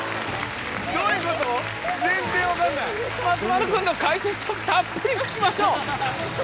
松丸君の解説をたっぷり聞きましょう。